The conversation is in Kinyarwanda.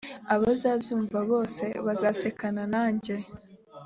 abazabyumva bose bazasekana nanjye